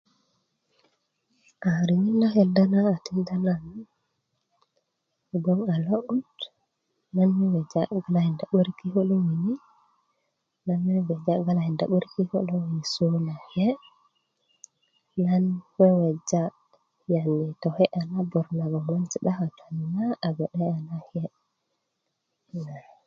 riŋit na kenda na a tinda na gboŋ i logo na weweja metakinda 'barik kiko lo wini nan weweja galakinda 'barik kiko lo yesu na kye nan weweja yani tokye'ya na bor na kadi na um sida katanina a gbede na kye